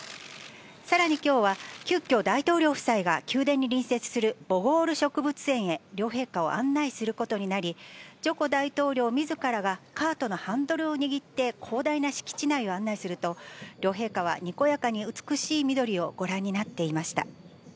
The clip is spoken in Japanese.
さらにきょうは、急きょ、大統領夫妻が宮殿に隣接するボゴール植物園へ、両陛下を案内することになり、ジョコ大統領みずからがカートのハンドルを握って広大な敷地内を案内すると、両陛下はにこやかに、美しい緑をご覧になっていました。